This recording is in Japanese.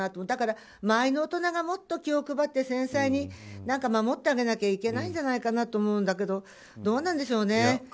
だから周りの大人が気を配って繊細に守ってあげなきゃいけないんじゃないかなって思うんだけどどうなんですかね。